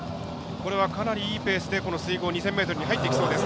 これは、かなりいいペースで水ごう２０００ｍに入っていきそうです。